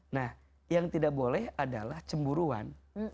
nah yang tidak boleh adalah cemburuan